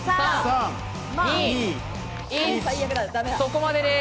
そこまでです。